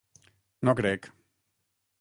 No crec...